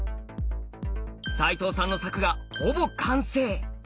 齋藤さんの柵がほぼ完成。